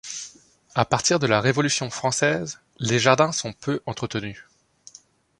À partir de la Révolution française, les jardins sont peu entretenus.